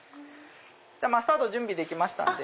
マスタード準備できましたんで。